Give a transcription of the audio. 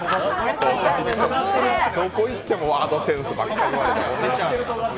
どこ行ってもワードセンスばっかり言われちゃって。